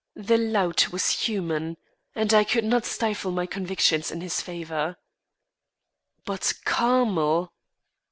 The lout was human; and I could not stifle my convictions in his favour. But Carmel!